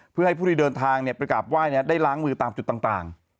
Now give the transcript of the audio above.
เพื่อให้ผู้ที่เดินทางไปกราบไหว้ได้ล้างมือตามจุดต่าง